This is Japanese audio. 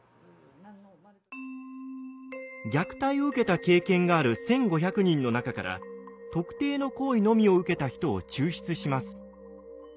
虐待を受けた経験がある１，５００人の中から特定の行為のみを受けた人を抽出します。